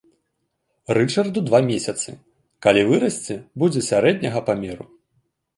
Рычарду два месяцы, калі вырасце, будзе сярэдняга памеру.